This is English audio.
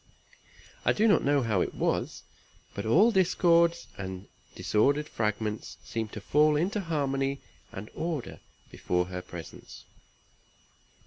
I do not know how it was, but all discords, and disordered fragments, seemed to fall into harmony and order before her presence.